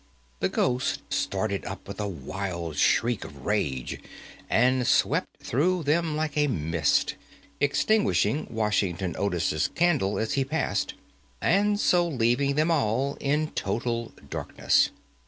The ghost started up with a wild shriek of rage, and swept through them like a mist, extinguishing Washington Otis's candle as he passed, and so leaving them all in total darkness.